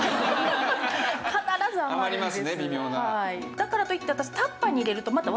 だからといって私。